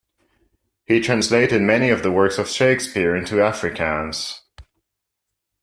He translated many of the works of Shakespeare into Afrikaans.